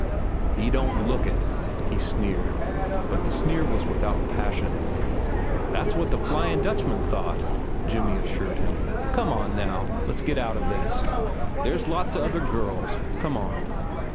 "He don't look it," he sneered; but the sneer was without passion. "That's what the Flyin' Dutchman thought," Jimmy assured him. "Come on, now, let's get outa this. There's lots of other girls. Come on."